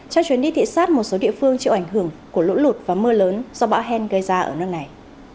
trong chuyến đi thị xát một số địa phương chịu ảnh hưởng của lũ lụt và mưa lớn do bão hen gây ra ở nước này